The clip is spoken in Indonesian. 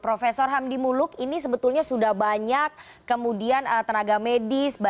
prof hamdi muluk ini sebetulnya sudah banyak kemudian tenaga medis